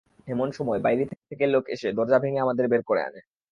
এমন সময় বাইরে থেকে লোক এসে দরজা ভেঙে আমাদের বের করে আনে।